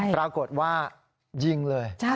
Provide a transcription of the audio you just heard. ปรากฏว่ายิงเลย